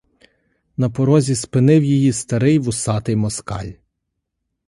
На порозі спинив її старий вусатий москаль.